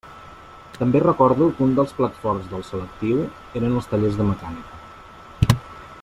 També recordo que un dels plats forts del selectiu eren els tallers de mecànica.